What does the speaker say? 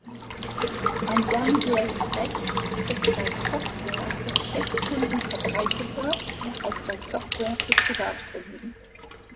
Ein Downgrade-Recht ist bei Software für Geschäftskunden verbreiteter als bei Software für Privatkunden.